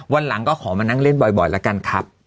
วันหลังก็ขอมานั่งเล่นบ่อยแล้วกันครับ